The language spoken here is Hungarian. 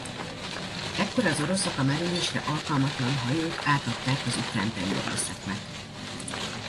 Ekkor az oroszok a merülésre alkalmatlan hajót átadták az ukrán tengerészeknek.